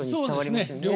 そうですね。